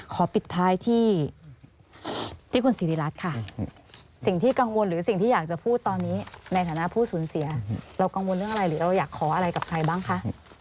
ขอปิดท้ายที่คุณสิริรัตน์ค่ะสิ่งที่กังวลหรือสิ่งที่อยากจะพูดตอนนี้ในฐานะผู้สูญเสียเรากังวลเรื่องอะไรหรือเราอยากขออะไรกับใครบ้างคะ